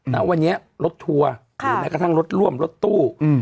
ณวันนี้รถทัวร์หรือแม้กระทั่งรถร่วมรถตู้